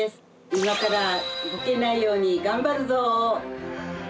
今からボケないように頑張るぞ！